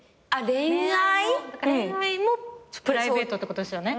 恋愛もプライベートってことですよね？